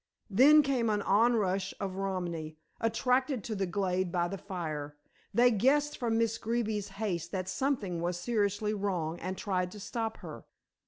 Then came an onrush of Romany, attracted to the glade by the fire. They guessed from Miss Greeby's haste that something was seriously wrong and tried to stop her.